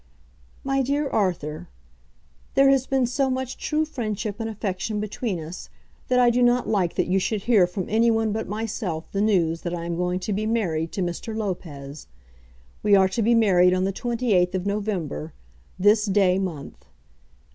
MY DEAR ARTHUR, There has been so much true friendship and affection between us that I do not like that you should hear from any one but myself the news that I am going to be married to Mr. Lopez. We are to be married on the 28th of November, this day month.